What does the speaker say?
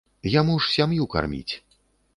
Яму ж сям'ю карміць.